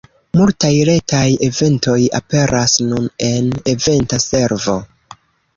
Multaj retaj eventoj aperas nun en Eventa Servo.